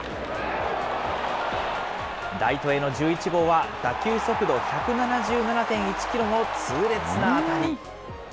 ライトへの１１号は打球速度１７７．１キロの痛烈な当たり。